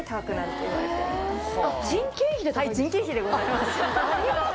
はい人件費でございます。